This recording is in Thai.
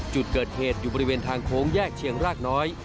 จุดเกิดเหตุอยู่บริเวณทางโค้งแยกเชียงรากน้อย